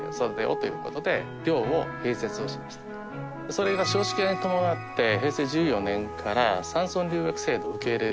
それが少子化に伴って平成１４年から山村留学生を受け入れるようになりまして。